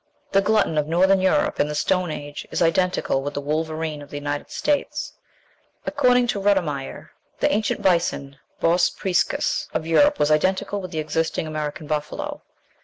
The glutton of Northern Europe, in the Stone Age, is identical with the wolverine of the United States. According to Rutimeyer, the ancient bison (Bos priscus) of Europe was identical with the existing American buffalo.